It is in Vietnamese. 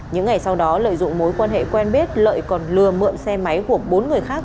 những ngày sau đó lợi dụng mối quan hệ quen biết lợi còn lừa mượn xe máy của bốn người khác